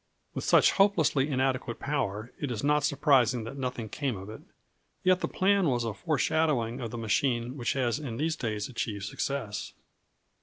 With such hopelessly inadequate power it is not surprising that nothing came of it, yet the plan was a foreshadowing of the machine which has in these days achieved success.